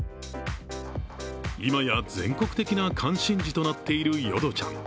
今や全国的な関心事となっているヨドちゃん。